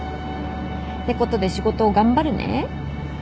てことで仕事頑張るね。